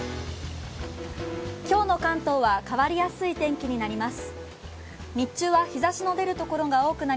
今日の関東は変わりやすい天気になります。